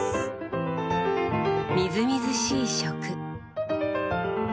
みずみずしい食。